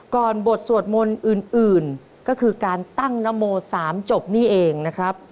บทสวดมนต์อื่นก็คือการตั้งนโม๓จบนี่เองนะครับ